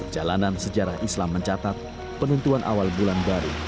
jalanan sejarah islam mencatat penentuan awal bulan baru